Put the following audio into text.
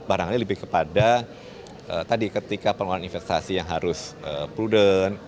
barangnya lebih kepada ketika pengelolaan investasi yang harus prudent